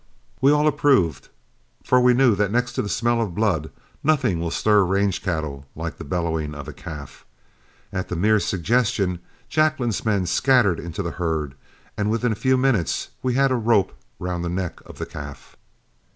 We all approved, for we knew that next to the smell of blood, nothing will stir range cattle like the bellowing of a calf. At the mere suggestion, Jacklin's men scattered into the herd, and within a few minutes we had a rope round the neck of the calf.